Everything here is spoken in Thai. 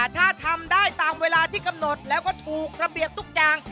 ถ้าทำได้ตามเวลาที่กำหนดแล้วก็ถูกระเบียบทุกอย่าง